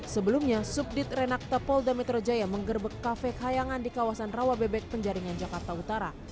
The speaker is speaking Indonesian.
sebelumnya subdit renakta polda metro jaya menggerbek kafe khayangan di kawasan rawabebek penjaringan jakarta utara